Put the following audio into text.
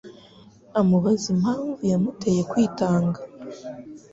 amubaza impamvu yamuteye kwitanga